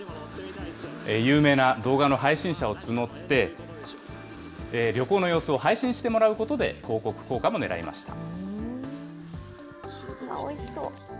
有名な動画の配信者を募って、旅行の様子を配信してもらうことで、広告効果もねらいました。